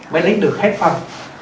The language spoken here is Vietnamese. mới lấy được hết phân